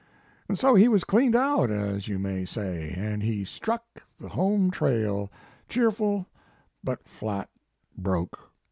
And so he was cleaned out, as you may say, and he struck the home trail, cheerful but flat broke.